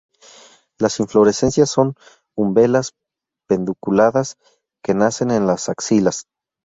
Las inflorescencias son umbelas pedunculadas que nacen en las axilas.